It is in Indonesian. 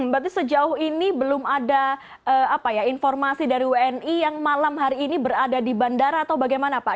berarti sejauh ini belum ada informasi dari wni yang malam hari ini berada di bandara atau bagaimana pak